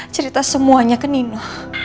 cerita semuanya ke nino